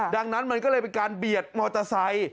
ดังนั้นมันก็เลยเป็นการเบียดมอเตอร์ไซค์